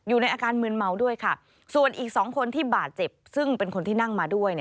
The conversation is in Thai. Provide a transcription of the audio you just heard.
อยู่ในอาการมืนเมาด้วยค่ะส่วนอีก๒คนที่บาดเจ็บซึ่งเป็นคนที่นั่งมาด้วย